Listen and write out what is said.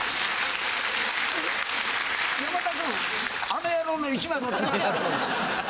山田君あの野郎の１枚持っていきなさい！